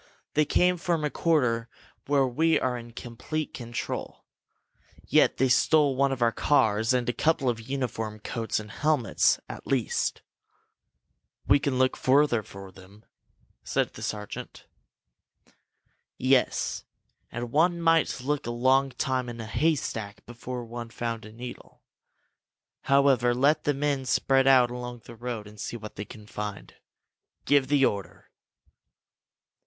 They came from a quarter where we are in complete control. Yet they stole one of our cars, and a couple of uniform coats and helmets, at least!" "We can look further for them," said the sergeant. "Yes and one might look a long time in a haystack before one found a needle! However, let the men spread out along the road and see what they can find. Give the order!"